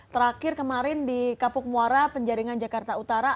terakhir kemarin di kapuk muara penjaringan jakarta utara